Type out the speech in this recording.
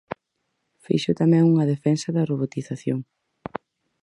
Fixo tamén unha defensa da robotización.